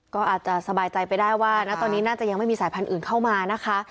ก็อาจจะสบายใจไปได้ว่านะตอนนี้น่าจะยังไม่มีสายพันธุ์อื่นเข้ามานะคะ